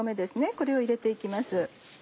これを入れて行きます。